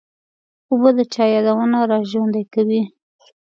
اوبه د چا یادونه را ژوندي کوي.